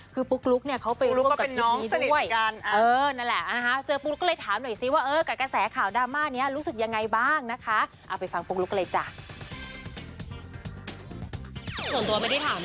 คือปุ๊กลุ๊กเนี่ยเขาไปรูปกับทีนี้ด้วยปุ๊กลุ๊กก็เป็นน้องสนิทกัน